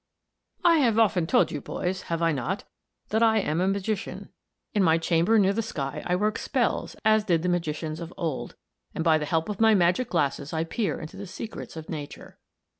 "I have often told you, boys, have I not? that I am a Magician. In my chamber near the sky I work spells as did the magicians of old, and by the help of my magic glasses I peer into the secrets of nature.